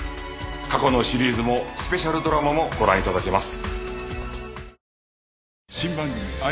過去のシリーズもスペシャルドラマもご覧頂けます。